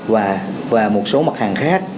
và một số mặt hàng khác